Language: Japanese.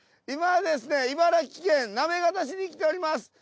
今はですね茨城県行方市に来ております。